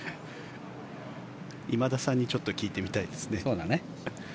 今田さんにちょっと聞いてみたいですね。